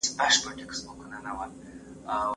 واک ناوړه مه کاروئ.